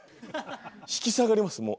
引き下がりますもう。